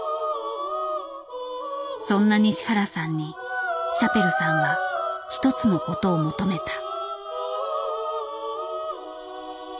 そんな西原さんにシャペルさんは一つのことを求めた。